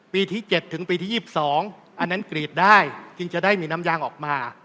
ที่๗ถึงปีที่๒๒อันนั้นกรีดได้จึงจะได้มีน้ำยางออกมา